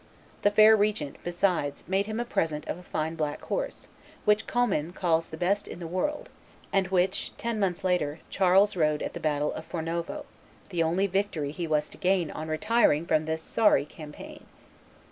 The fair regent, besides, made him a present of a fine black horse, which Commynes calls the best in the world, and which, ten months later, Charles rode at the battle of Fornovo, the only victory he was to gain on retiring from this sorry campaign.